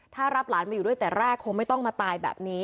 ถ้ารับหลานมาอยู่ด้วยแต่แรกคงไม่ต้องมาตายแบบนี้